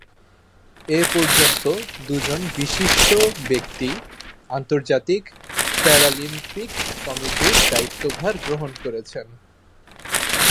এ পর্যন্ত দুজন বিশিষ্ট ব্যক্তি আন্তর্জাতিক প্যারালিম্পিক কমিটির দায়িত্বভার গ্রহণ করেছেন।